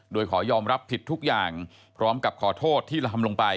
โดยขอยอมรับผิดทุกอย่างพร้อมกับขอโทษที่ทำลงไป